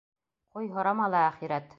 — Ҡуй, һорама ла, әхирәт!